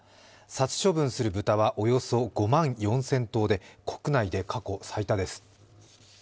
殺処分する豚はおよそ５万４０００頭で国内で過去最多です。